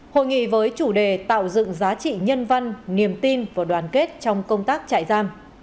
hội nghị với chủ đề tạo dựng giá trị nhân văn niềm tin và đoàn kết trong công tác trại giam